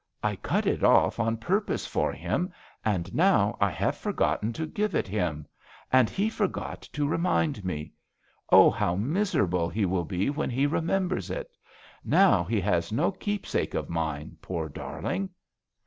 " I cut it off on purpose for him, and now I have forgotten g6 THE VIOLIN OBBUGATO. to give it him, and he forgot to remind me. Oh, how miserable he will be when he remembers it ! Now he has no keepsake of mine, poor darling